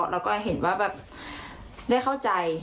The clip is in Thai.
แล้วก็เห็นว่าแบบได้เข้าใจ